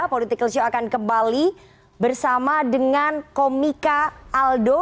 political show akan kembali bersama dengan komika aldo